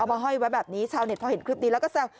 มาห้อยไว้แบบนี้ชาวเน็ตพอเห็นคลิปนี้แล้วก็แซว